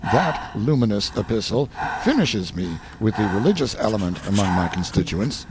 "That luminous epistle finishes me with the religious element among my constituents.